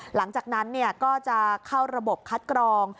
หลังจากนั้นก็จะเข้าระบบคัดกรอง